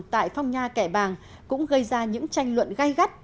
tại phong nha kẻ bàng cũng gây ra những tranh luận gây gắt